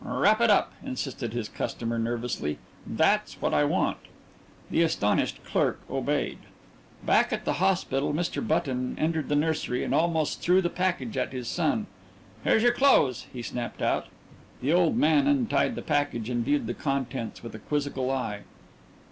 "Wrap it up," insisted his customer nervously. "That's what I want." The astonished clerk obeyed. Back at the hospital Mr. Button entered the nursery and almost threw the package at his son. "Here's your clothes," he snapped out. The old man untied the package and viewed the contents with a quizzical eye.